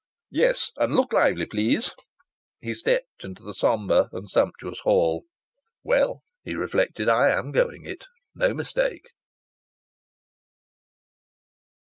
"Yes. And look lively, please." He stepped into the sombre and sumptuous hall. "Well," he reflected, "I am going it no mistake!"